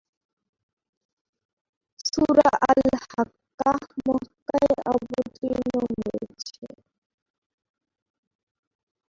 সূরা আল-হাক্কাহ মক্কায় অবতীর্ণ হয়েছে।